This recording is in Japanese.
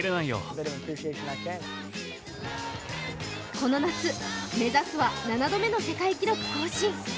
この夏、目指すは７度目の世界記録更新。